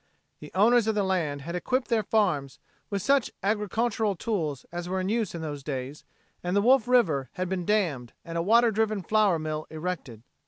The owners of the land had equipped their farms with such agricultural tools as were in use in those days, and the Wolf river had been dammed and a water driven flour mill erected.